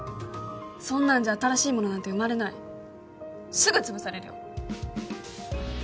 そんなんじゃ新しいものなんて生まれないすぐ潰されるよ